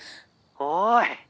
「おい！